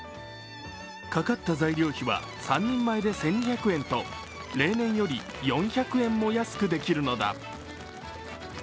かかった材料費は３人前で１２００円と例年より４００円も安くできるのだ。